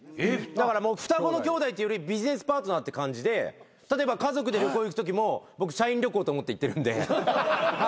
だからもう双子の兄弟というよりビジネスパートナーって感じで例えば家族で旅行行くときも僕社員旅行と思って行ってるんで。